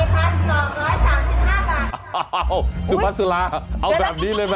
๔๒๓๕บาทอ้าวสุพันธ์สุราเอาแบบนี้เลยไหม